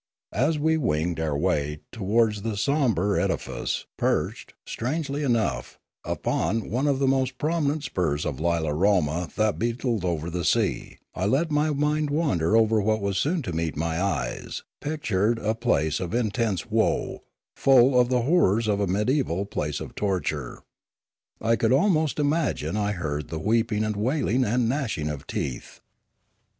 As we winged our way towards the sombre edifice, perched, strangely 238 Limanora enough, upon one of the most prominent spurs of Iyila roma that beetled over the sea, I let my mind wander over what was soon to meet my eyes; pictured a place of intense woe, full of the horrors of a mediaeval place of torture; I could almost imagine I heard the weeping and wailing and gnashing of teeth.